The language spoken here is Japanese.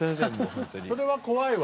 それは怖いわ。